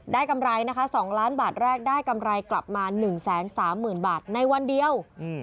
กำไรนะคะ๒ล้านบาทแรกได้กำไรกลับมา๑๓๐๐๐บาทในวันเดียว